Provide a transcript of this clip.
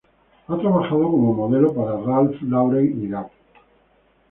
Ha trabajado como modelo para Ralph Lauren y Gap.